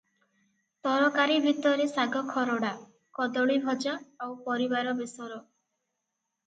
ତରକାରୀ ଭିତରେ ଶାଗ ଖରଡ଼ା, କଦଳୀ ଭଜା, ଆଉ ପରିବାର ବେଶର ।